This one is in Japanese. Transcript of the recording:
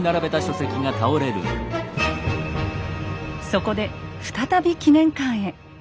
そこで再び記念館へ。